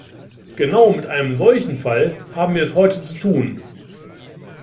Genau mit einem solchen Fall haben wir es heute zu tun.